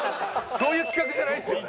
そういう企画じゃないんだけど。